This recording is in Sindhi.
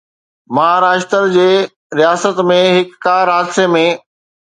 مهاراشٽر جي رياست ۾ هڪ ڪار حادثي ۾